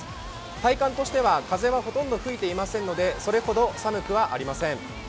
体感としては風はほとんど吹いていませんので、それほど寒くはありません。